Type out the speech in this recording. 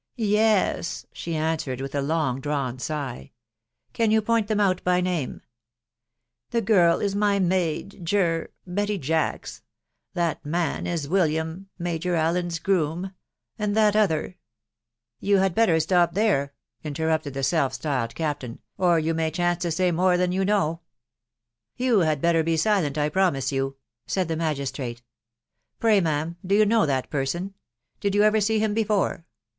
" Yes !" she .answered with a long drawn sjgh. "Can you point them out by name ?"" The girl is my maid Jer .... 3etty Jacfcs .... tjhat man is William, Major Allen's groom ...... and that other ...."" Yqu had better atop there," interrupted the self styled captain, " or you may chance to say more than you know." " You had better. be silent, I promise you," said the .magis trate. "Pray, ma'am, do you know that person? .... X>id •you ever see him before